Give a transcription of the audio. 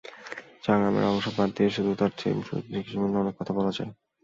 সংগ্রামের অংশ বাদ দিয়ে শুধু তাঁর শিক্ষাজীবন নিয়েও অনেক কথা বলা যায়।